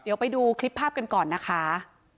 เดี๋ยวไปดูคลิปภาพกันก่อนนะคะ